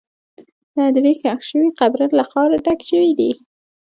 د هدیرې ښخ شوي قبرونه له خاورو ډک شوي وو.